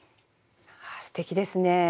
すてきですね。